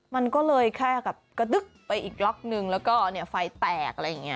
มันก็เลยแค่กับกระดึกไปอีกล็อกนึงแล้วก็ไฟแตกอะไรอย่างนี้